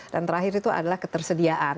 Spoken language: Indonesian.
dan terakhir itu adalah ketersediaan